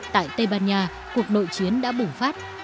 tại tây ban nha cuộc nội chiến đã bùng phát